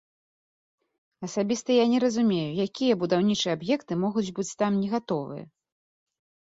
Асабіста я не разумею, якія будаўнічыя аб'екты могуць быць там не гатовыя.